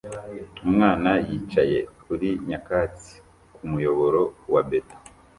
Umwana yicaye kuri nyakatsi kumuyoboro wa beto